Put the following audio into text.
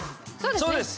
そうです。